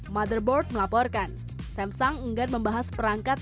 motherboard melaporkan samsung enggan membahas perangkat